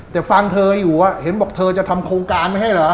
แต่ฟังเธออยู่เห็นบอกเธอจะทำโครงการไม่ให้เหรอ